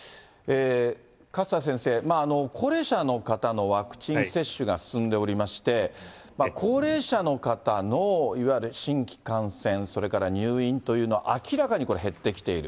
勝田先生、高齢者の方のワクチン接種が進んでおりまして、高齢者の方のいわゆる新規感染、それから入院というのは明らかにこれ、減ってきている。